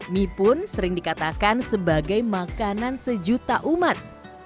mie pun sering dikatakan sebagai makanan sejuta umat